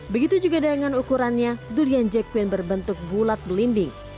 begitu juga dengan ukurannya durian jekuen berbentuk bulat belimbing